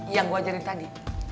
yang gue ajarin tadi